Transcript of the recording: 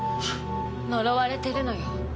呪われてるのよ。